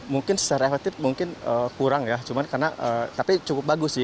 mungkin secara efektif mungkin kurang ya karena tapi cukup bagus sih